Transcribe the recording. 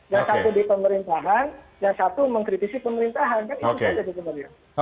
yang satu di pemerintahan yang satu mengkritisi pemerintahan